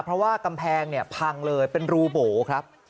เพราะว่ากำแพงเนี่ยพังเลยเป็นรูโบครับ